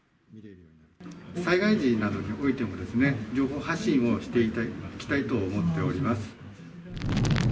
災害時などにおいてもですね、情報発信をしていきたいと思っております。